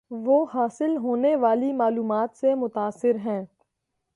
وہ حاصل ہونے والی معلومات سے متاثر ہیں